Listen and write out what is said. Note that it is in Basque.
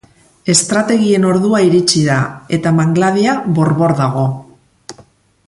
Estrategien ordua iritsi da, eta mangladia bor-bor dago.